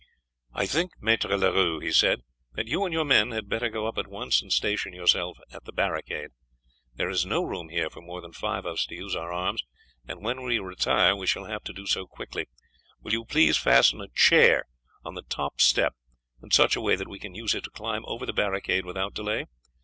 "I think, Maître Leroux," he said, "that you and your men had better go up at once and station yourselves at the barricade. There is no room here for more than five of us to use our arms, and when we retire we shall have to do so quickly. Will you please fasten a chair on the top step in such a way that we can use it to climb over the barricade without delay?